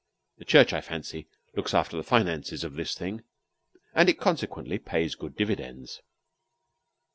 The Church, I fancy, looks after the finances of this thing, and it consequently pays good dividends.